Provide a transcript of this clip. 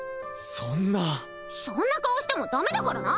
そんなそんな顔してもダメだからな！